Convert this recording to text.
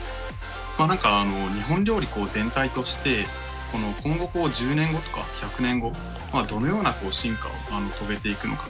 何か日本料理全体として今後１０年後とか１００年後はどのような進化を遂げていくのか？